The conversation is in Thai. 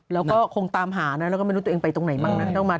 แล้วก็คงตามหาไม่รู้ตัวเองต้องมาไหน